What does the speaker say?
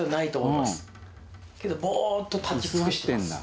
けどボッと立ち尽くしてます。